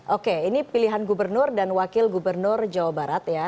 oke ini pilihan gubernur dan wakil gubernur jawa barat ya